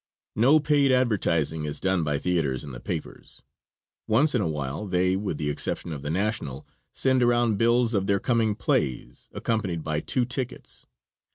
No paid advertising is done by theaters in the papers. Once in a while they, with the exception of the National, send around bills of their coming plays, accompanied by two tickets.